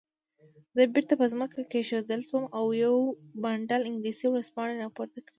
زه بیرته په ځمکه کېښودل شوم او یو بنډل انګلیسي ورځپاڼې راپورته کړې.